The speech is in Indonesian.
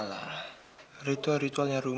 kerjanya jangan lupa